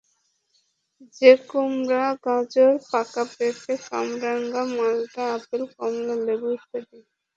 যেমন কুমড়া, গাজর, পাকা পেঁপে, কামরাঙা, মাল্টা, আপেল, কমলা, লেবু ইত্যাদি।